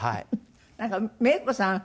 なんかメイコさん